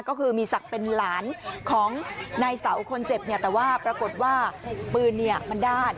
ก็คือมีศักดิ์เป็นหลานของนายเสาคนเจ็บเนี่ยแต่ว่าปรากฏว่าปืนมันด้าน